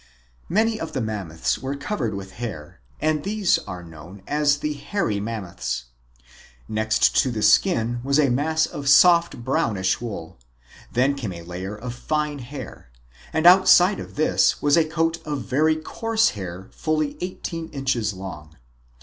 Many of the Mammoths were covered with hair, and these are known as the Hairy Mammoths. Next to the skin was a mass of soft brownish wool ; then came a layer of fine hair, and outside of this was a coat of very coarse hair fully eighteen inches long.